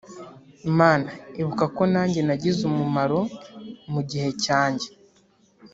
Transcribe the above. "Mana ibuka ko nanjye nagize umumaro mu gihe cyanjye